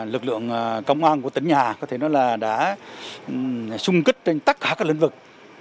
lực lượng công an của tỉnh nhà có thể nói là đã xung kích trên tất cả các lĩnh vực